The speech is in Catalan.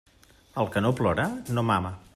El que no plora, no mama.